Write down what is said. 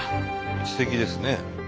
すてきですね。